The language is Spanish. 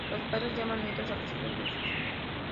Los padres llaman nietos a los hijos de sus hijos.